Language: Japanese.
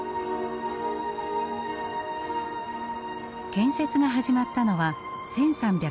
建設が始まったのは１３８８年。